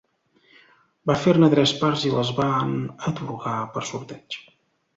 Van fer-ne tres parts i les van atorgar per sorteig.